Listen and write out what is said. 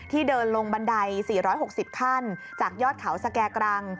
เดินลงบันได๔๖๐ขั้นจากยอดเขาสแก่กรัง